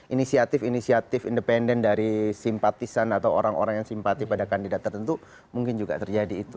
inisiatif inisiatif independen dari simpatisan atau orang orang yang simpati pada kandidat tertentu mungkin juga terjadi itu